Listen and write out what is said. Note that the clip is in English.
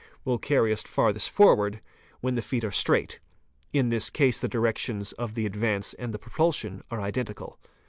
will carry us farthest forward, when the feet are straight; in this case the directions of the advance and the propulsion are identical.